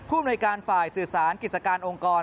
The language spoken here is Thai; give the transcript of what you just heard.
อำนวยการฝ่ายสื่อสารกิจการองค์กร